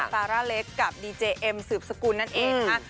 ซาร่าเล็กกับดีเจเอ็มสืบสกุลนั่นเองนะคะ